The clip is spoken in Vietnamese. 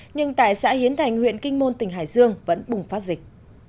nhưng tại xã hiến thành huyện kinh môn tỉnh hải dương vẫn bùng phát dịch